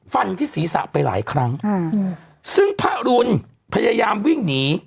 ฟันที่ศีรษะไปหลายครั้งซึ่งพระรุนพยายามวิ่งหนี